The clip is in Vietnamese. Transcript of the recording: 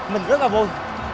mình rất là vui